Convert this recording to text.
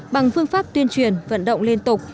bằng phương pháp tuyên truyền vận động liên tục